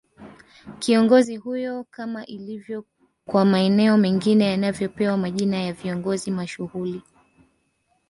Kiongozi huyo kama ilivyo kwa maeneo mengine yanavyopewa majina ya viongozi mashuhuli